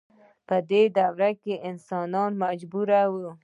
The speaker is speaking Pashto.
په دې دوره کې انسانان مجبور وو.